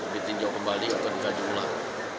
ditinjau kembali untuk dikaji ulang